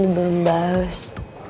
ren belum bahas